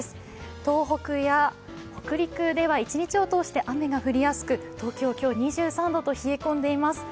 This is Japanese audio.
東北や北陸は一日を通して雨が降りやすく、東京は今日２３度と冷え込んでいます。